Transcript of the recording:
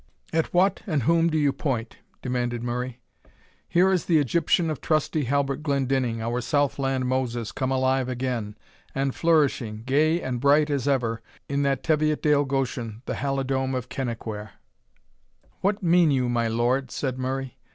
"At what, and whom, do you point?" demanded Murray. "Here is the Egyptian of trusty Halbert Glendinning, our Southland Moses, come alive again, and flourishing, gay and bright as ever, in that Teviotdale Goshen, the Halidome of Kennaquhair." "What mean you, my lord?" said Murray.